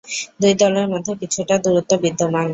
দুই দলের মধ্যে কিছুটা দূরত্ব বিদ্যমান।